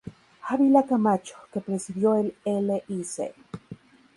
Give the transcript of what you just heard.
Ávila Camacho, que presidió el Lic.